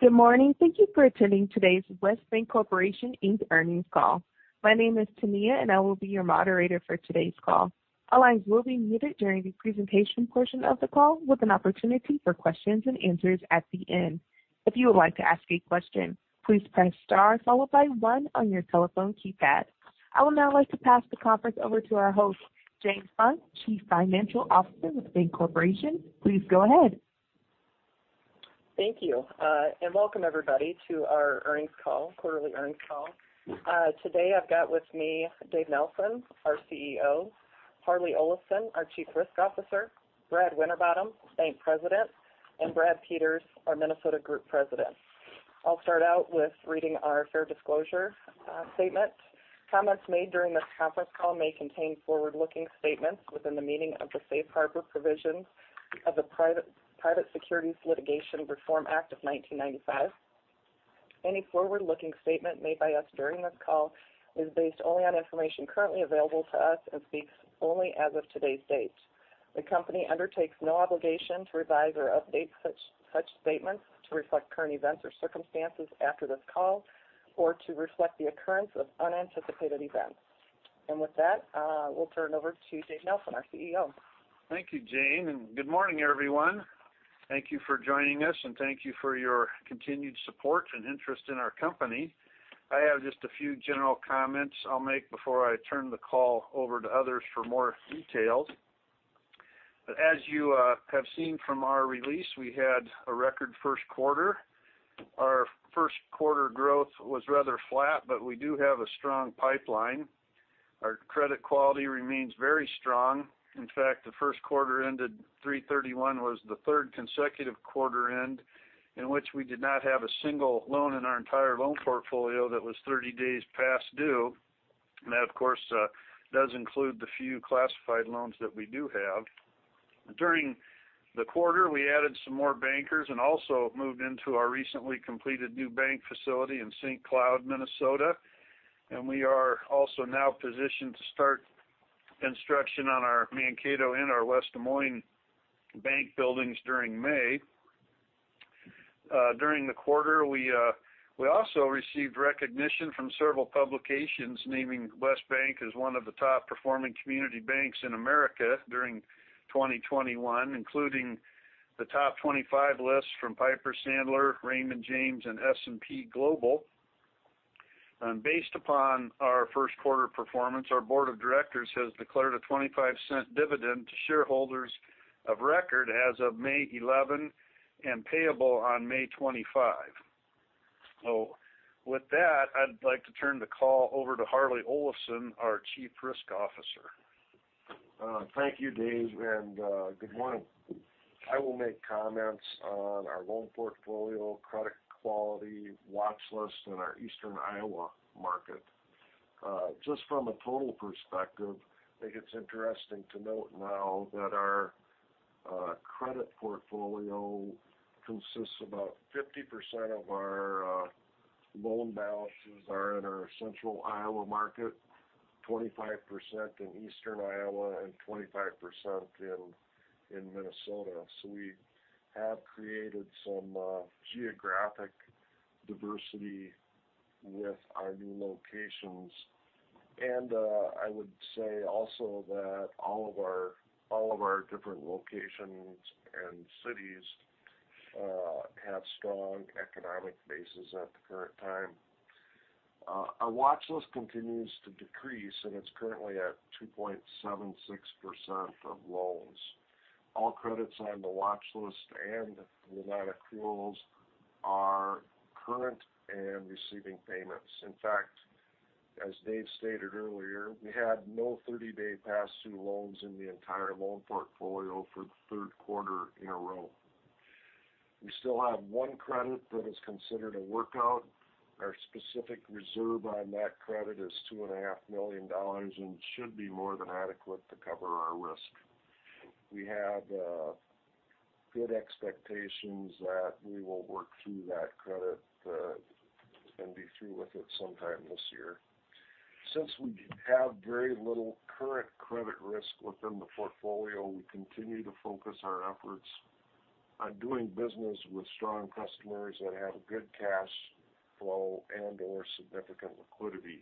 Good morning. Thank you for attending today's West Bancorporation, Inc. earnings call. My name is Tamia, and I will be your moderator for today's call. All lines will be muted during the presentation portion of the call with an opportunity for questions and answers at the end. If you would like to ask a question, please press star followed by one on your telephone keypad. I would now like to pass the conference over to our host, Jane Funk, Chief Financial Officer with West Bancorporation. Please go ahead. Thank you. And welcome everybody to our quarterly earnings call. Today, I've got with me Dave Nelson, our CEO; Harlee Olafson, our Chief Risk Officer; Brad Winterbottom, Bank President; and Brad Peters, our Minnesota Group President. I'll start out with reading our fair disclosure statement. Comments made during this Conference Call may contain forward-looking statements within the meaning of the Safe Harbor provisions of the Private Securities Litigation Reform Act of 1995. Any forward-looking statement made by us during this call is based only on information currently available to us and speaks only as of today's date. The company undertakes no obligation to revise or update such statements to reflect current events or circumstances after this call or to reflect the occurrence of unanticipated events. With that, we'll turn it over to Dave Nelson, our CEO. Thank you, Jane, and good morning, everyone. Thank you for joining us, and thank you for your continued support and interest in our company. I have just a few general comments I'll make before I turn the call over to others for more details. As you have seen from our release, we had a record Q1. Our Q1 growth was rather flat, but we do have a strong pipeline. Our credit quality remains very strong. In fact, the Q1 ended 3/31 was the third consecutive quarter end in which we did not have a single loan in our entire loan portfolio that was 30 days past due. And that, of course, does include the few classified loans that we do have. During the quarter, we added some more bankers and also moved into our recently completed new bank facility in St. Cloud, Minnesota. We are also now positioned to start construction on our Mankato and our West Des Moines bank buildings during May. During the quarter, we also received recognition from several publications naming West Bank as one of the top-performing community banks in America during 2021, including the top 25 list from Piper Sandler, Raymond James, and S&P Global. Based upon our Q1 performance, our board of directors has declared a $0.25 dividend to shareholders of record as of May 11 and payable on May 25. With that, I'd like to turn the call over to Harlee Olafson, our Chief Risk Officer. Thank you, Dave, and good morning. I will make comments on our loan portfolio, credit quality, watch list in our Eastern Iowa market. Just from a total perspective, I think it's interesting to note now that our credit portfolio consists about 50% of our loan balances are in our Central Iowa market, 25% in Eastern Iowa, and 25% in Minnesota. We have created some geographic diversity with our new locations. I would say also that all of our different locations and cities have strong economic bases at the current time. Our watch list continues to decrease, and it's currently at 2.76% of loans. All credits on the watch list and related accruals are current and receiving payments. In fact, as Dave stated earlier, we had no 30-day past due loans in the entire loan portfolio for the Q3 in a row. We still have one credit that is considered a workout. Our specific reserve on that credit is two and a half million dollars and should be more than adequate to cover our risk. We have good expectations that we will work through that credit, and be through with it sometime this year. Since we have very little current credit risk within the portfolio, we continue to focus our efforts on doing business with strong customers that have good cash flow and/or significant liquidity.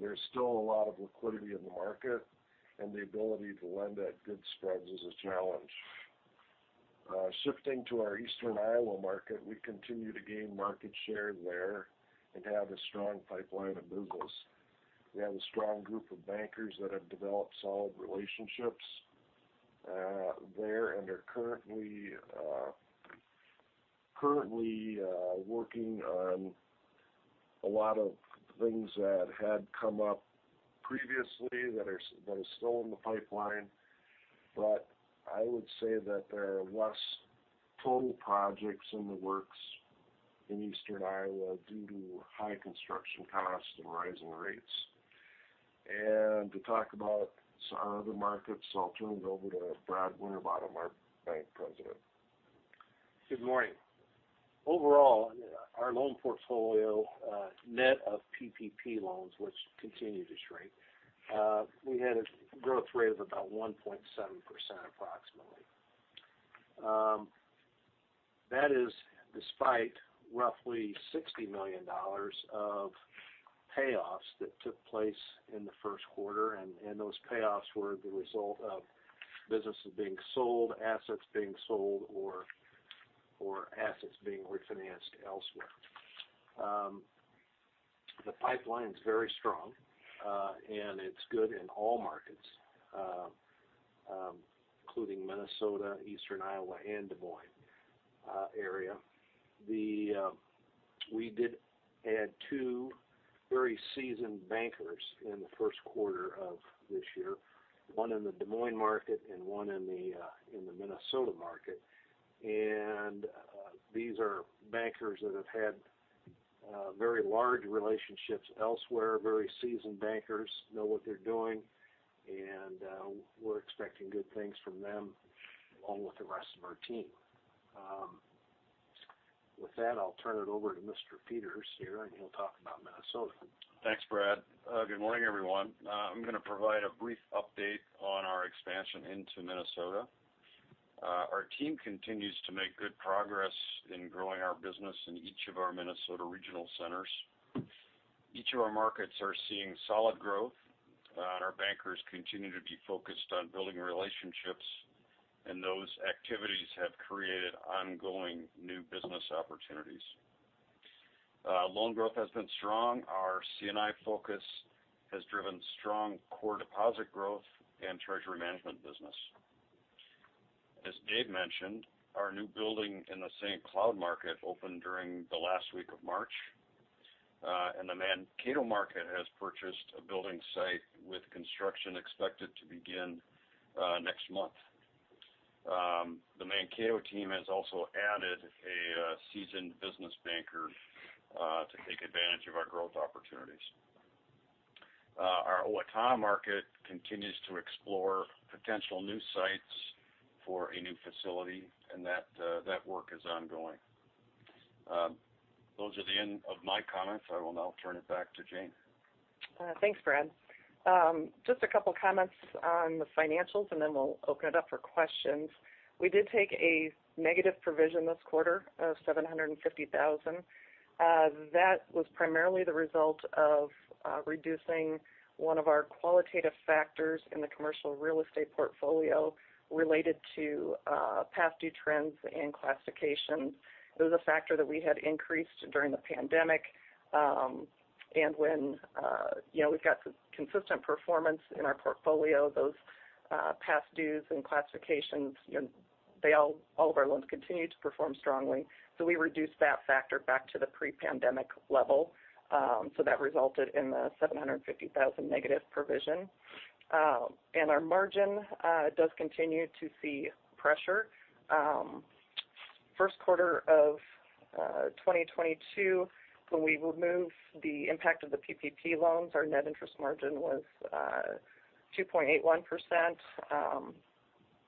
There's still a lot of liquidity in the market, and the ability to lend at good spreads is a challenge. Shifting to our Eastern Iowa market, we continue to gain market share there and have a strong pipeline of business. We have a strong group of bankers that have developed solid relationships there and are currently working on a lot of things that had come up previously that are still in the pipeline. I would say that there are less total projects in the works in Eastern Iowa due to high construction costs and rising rates. To talk about some other markets, I'll turn it over to Brad Winterbottom, our Bank President. Good morning. Overall, our loan portfolio net of PPP loans, which continue to shrink, we had a growth rate of about 1.7% approximately. That is despite roughly $60 million of payoffs that took place in the Q1, and those payoffs were the result of businesses being sold, assets being sold, or assets being refinanced elsewhere. The pipeline is very strong, and it's good in all markets, including Minnesota, Eastern Iowa, and Des Moines area. We did add two very seasoned bankers in the Q1 of this year, one in the Des Moines market and one in the Minnesota market. These are bankers that have had very large relationships elsewhere, very seasoned bankers, know what they're doing, and we're expecting good things from them, along with the rest of our team. With that, I'll turn it over to Mr. Peters here, and he'll talk about Minnesota. Thanks, Brad. Good morning, everyone. I'm gonna provide a brief update on our expansion into Minnesota. Our team continues to make good progress in growing our business in each of our Minnesota regional centers. Each of our markets are seeing solid growth, and our bankers continue to be focused on building relationships, and those activities have created ongoing new business opportunities. Loan growth has been strong. Our C&I focus has driven strong core deposit growth and treasury management business. As Dave mentioned, our new building in the St. Cloud market opened during the last week of March. The Mankato market has purchased a building site with construction expected to begin next month. The Mankato team has also added a seasoned business banker to take advantage of our growth opportunities. Our Owatonna market continues to explore potential new sites for a new facility, and that work is ongoing. Those are the end of my comments. I will now turn it back to Jane. Thanks, Brad. Just a couple of comments on the financials, and then we'll open it up for questions. We did take a negative provision this quarter of $750,000. That was primarily the result of reducing one of our qualitative factors in the commercial real estate portfolio related to past due trends and classifications. It was a factor that we had increased during the pandemic, and when you know, we've got consistent performance in our portfolio, those past dues and classifications, you know, all of our loans continue to perform strongly. We reduced that factor back to the pre-pandemic level. That resulted in the $750,000 negative provision. Our margin does continue to see pressure. Q1 2022, when we remove the impact of the PPP loans, our net interest margin was 2.81%.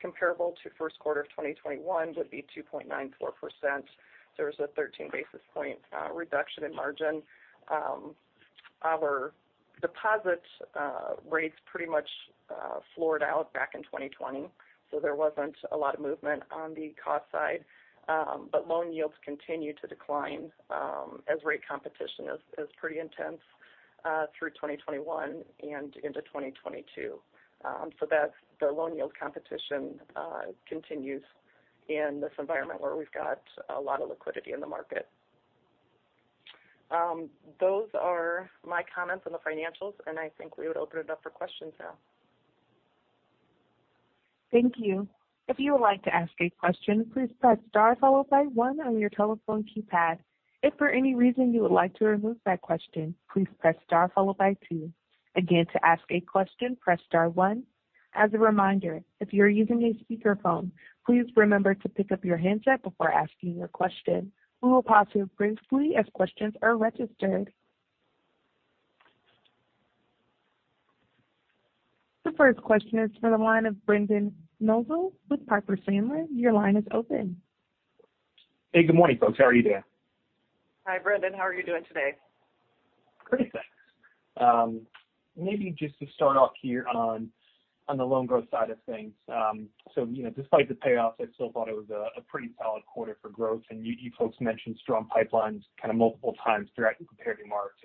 Comparable to Q1 2021 would be 2.94%. There was a 13 basis point reduction in margin. Our deposit rates pretty much floored out back in 2020, so there wasn't a lot of movement on the cost side. But loan yields continue to decline, as rate competition is pretty intense through 2021 and into 2022. That's the loan yield competition continues in this environment where we've got a lot of liquidity in the market. Those are my comments on the financials, and I think we would open it up for questions now. The first question is for the line of Brendan Nosal with Piper Sandler. Your line is open. Hey, good morning, folks. How are you doing? Hi, Brendan. How are you doing today? Great, thanks. Maybe just to start off here on the loan growth side of things. You know, despite the payoffs, I still thought it was a pretty solid quarter for growth. You folks mentioned strong pipelines kind of multiple times throughout the prepared remarks.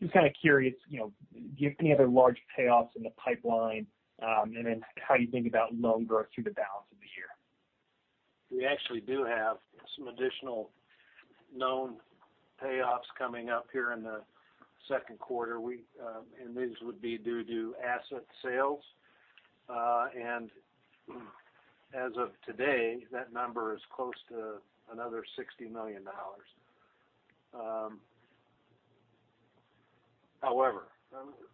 Just kind of curious, you know, do you have any other large payoffs in the pipeline, and then how you think about loan growth through the balance of the year? We actually do have some additional known payoffs coming up here in the Q2. These would be due to asset sales. As of today, that number is close to another $60 million. However,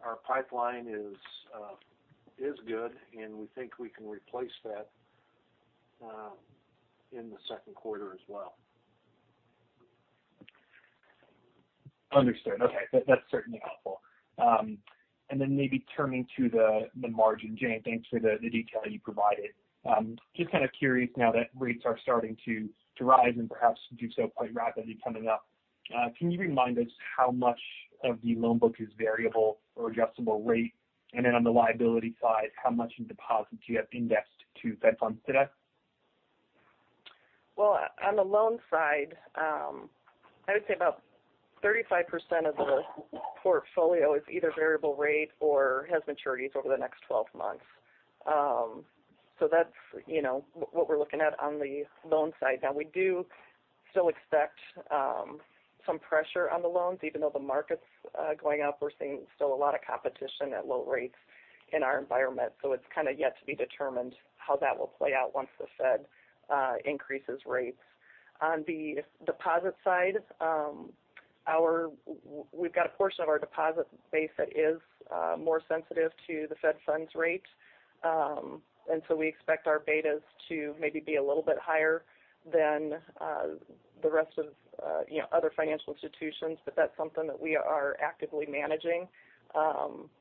our pipeline is good, and we think we can replace that in the Q2 as well. Understood. Okay. That, that's certainly helpful. Maybe turning to the margin. Jane, thanks for the detail you provided. Just kind of curious now that rates are starting to rise and perhaps do so quite rapidly coming up, can you remind us how much of the loan book is variable or adjustable rate? On the liability side, how much in deposits do you have indexed to Fed funds today? Well, on the loan side, I would say about 35% of the portfolio is either variable rate or has maturities over the next 12 months. That's, you know, what we're looking at on the loan side. Now, we do still expect some pressure on the loans. Even though the market's going up, we're seeing still a lot of competition at low rates in our environment. It's kind of yet to be determined how that will play out once the Fed increases rates. On the deposit side, we've got a portion of our deposit base that is more sensitive to the Fed funds rate. We expect our betas to maybe be a little bit higher than the rest of, you know, other financial institutions. That's something that we are actively managing.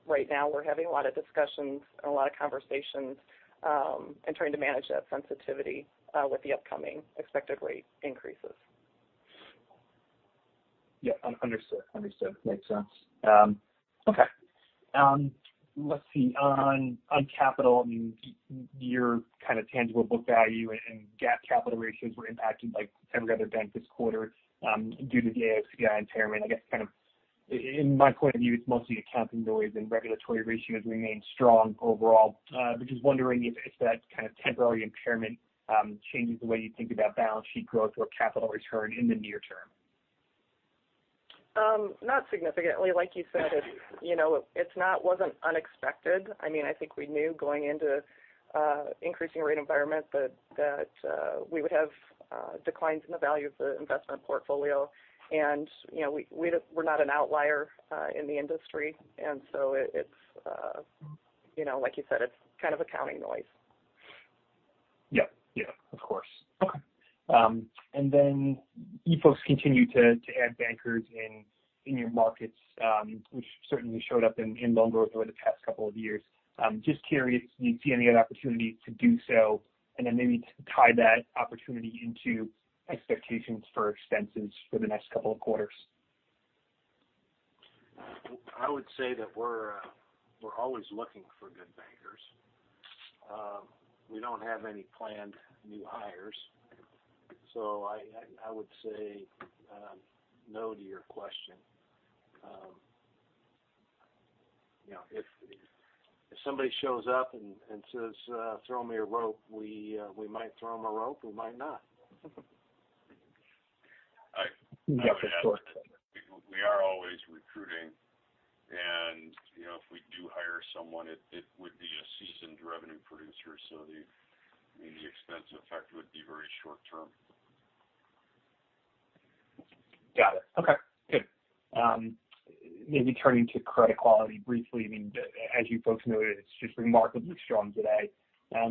Right now we're having a lot of discussions and a lot of conversations, and trying to manage that sensitivity, with the upcoming expected rate increases. Yeah. Understood. Makes sense. Okay. Let's see. On capital, I mean, your kind of tangible book value and GAAP capital ratios were impacted like every other bank this quarter, due to the AOCI impairment. I guess, kind of in my point of view, it's mostly accounting noise and regulatory ratios remain strong overall. Just wondering if that kind of temporary impairment changes the way you think about balance sheet growth or capital return in the near term. Not significantly. Like you said, it, you know, it wasn't unexpected. I mean, I think we knew going into an increasing rate environment that we would have declines in the value of the investment portfolio. You know, we're not an outlier in the industry. It's, you know, like you said, it's kind of accounting noise. You folks continue to add bankers in your markets, which certainly showed up in loan growth over the past couple of years. Just curious, do you see any other opportunity to do so? Maybe tie that opportunity into expectations for expenses for the next couple of quarters. I would say that we're always looking for good bankers. We don't have any planned new hires. I would say no to your question. You know, if somebody shows up and says, "Throw me a rope," we might throw them a rope, we might not. Got it. Sure. I would add, we are always recruiting. You know, if we do hire someone, it would be a seasoned revenue producer. I mean, the expense effect would be very short-term. Got it. Okay. Good. Maybe turning to credit quality briefly. I mean, as you folks noted, it's just remarkably strong today.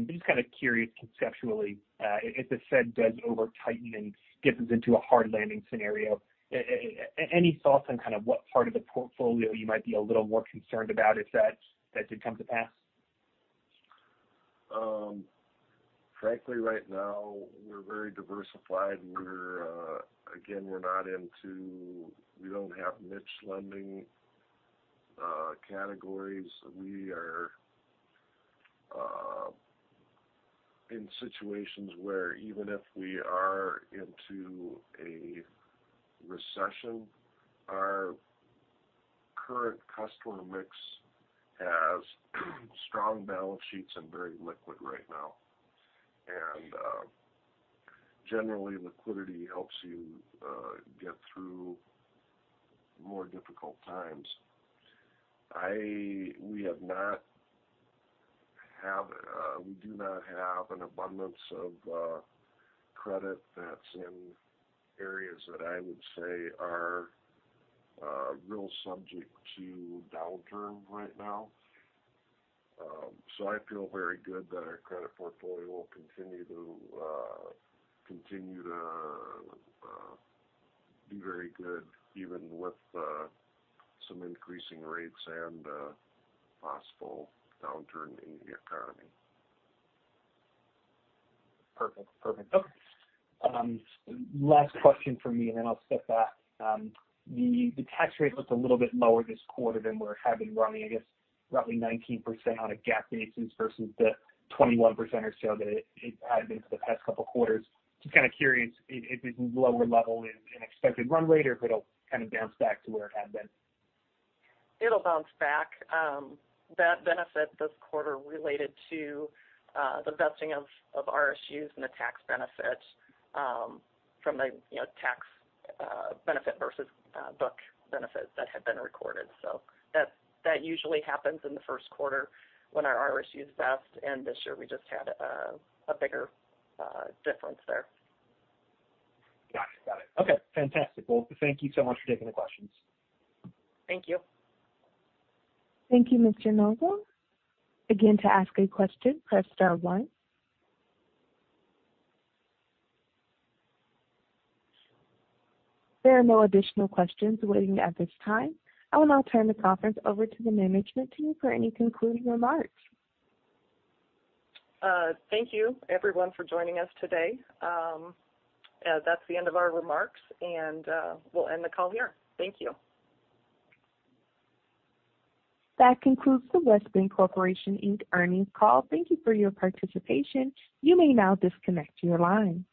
Just kind of curious conceptually, if the Fed does over-tighten and dips us into a hard landing scenario, any thoughts on kind of what part of the portfolio you might be a little more concerned about if that did come to pass? Frankly, right now we're very diversified. Again, we don't have niche lending categories. We are in situations where even if we are into a recession, our current customer mix has strong balance sheets and very liquid right now. Generally, liquidity helps you get through more difficult times. We do not have an abundance of credit that's in areas that I would say are really subject to downturn right now. I feel very good that our credit portfolio will continue to do very well even with some increasing rates and possible downturn in the economy. Perfect. Okay. Last question from me, and then I'll step back. The tax rate looked a little bit lower this quarter than we've been running, I guess, roughly 19% on a GAAP basis versus the 21% or so that it had been for the past couple of quarters. Just kind of curious if it's a lower-level than an expected run rate or if it'll kind of bounce back to where it had been. It'll bounce back. That benefit this quarter related to the vesting of RSUs and the tax benefit from a, you know, tax benefit versus book benefit that had been recorded. That usually happens in the Q1 when our RSUs vest, and this year we just had a bigger difference there. Got it. Okay. Fantastic. Well, thank you so much for taking the questions. Thank you. Thank you, Mr. Nosal. Again, to ask a question, press star one. There are no additional questions waiting at this time. I will now turn the conference over to the management team for any concluding remarks. Thank you everyone for joining us today. That's the end of our remarks, and we'll end the call here. Thank you. That concludes the Westbank Corporation Inc. earnings call. Thank you for your participation. You may now disconnect your line.